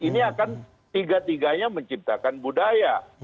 ini akan tiga tiganya menciptakan budaya